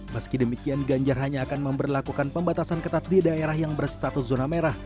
meski demikian ganjar hanya akan memperlakukan pembatasan ketat di daerah yang berstatus zona merah